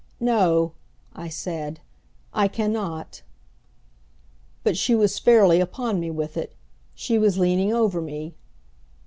"No," I said, "I can not!" But she was fairly upon me with it. She was leaning over me.